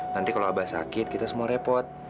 nanti kalau abah sakit kita semua repot